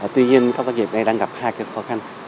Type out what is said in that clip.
tuy nhiên các doanh nghiệp này đang gặp hai cái khó khăn